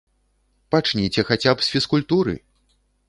Пачніце хаця б з фізкультуры!